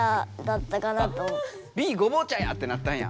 「『Ｂ』ごぼう茶や！」ってなったんや。